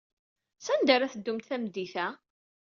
Sanda ara teddumt tameddit-a?